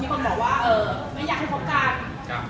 มีคนบอกว่าไม่อยากให้เขาตกกัน